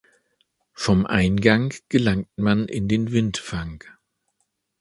Vom Eingang gelangt man in den Windfang.